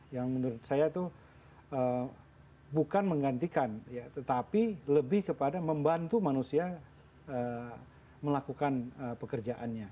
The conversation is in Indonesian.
yang menurut saya itu bukan menggantikan tetapi lebih kepada membantu manusia melakukan pekerjaannya